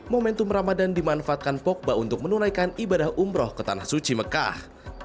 momentum ramadan dimanfaatkan pogba untuk menunaikan ibadah umroh ke tanah suci mekah